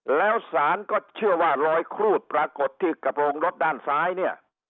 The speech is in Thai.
แล้วสารก็เชื่อว่ารอยครูดปรากฏที่กระโปรงรถด้านซ้ายเนี่ย